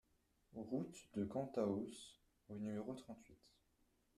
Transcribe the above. Route de Cantaous au numéro trente-huit